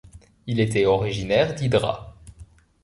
Il était originaire d'Hydra.